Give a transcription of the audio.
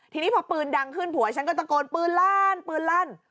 ทีนี้พอปืนดังขึ้นผัวฉันก็ตะโกนปืนลั่นปืนลั่น